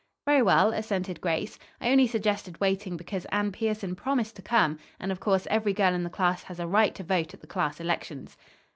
"Very well," assented Grace. "I only suggested waiting because Anne Pierson promised to come, and, of course, every girl in the class has a right to vote at the class elections."